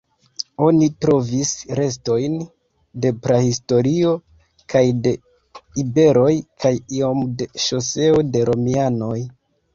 Oni trovis restojn de prahistorio kaj de iberoj kaj iom de ŝoseo de romianoj.